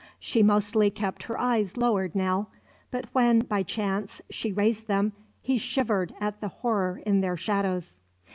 She mostly kept her eyes lowered now; but when, by chance, she raised them, he shivered at the horror in their shadows.